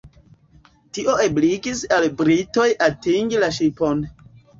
Tio ebligis al britoj atingi la ŝipon.